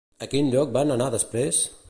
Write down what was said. A quin lloc van anar després?